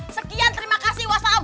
sekian terima kasih wassalam